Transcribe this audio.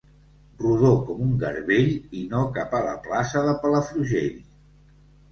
Rodó com un garbell i no cap a la plaça de Palafrugell.